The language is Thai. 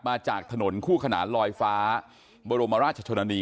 มาจากถนนคู่ขนานลอยฟ้าบรมราชชนนี